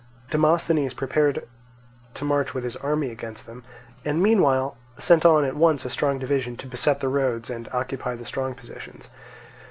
Demosthenes prepared to march with his army against them, and meanwhile sent on at once a strong division to beset the roads and occupy the strong positions.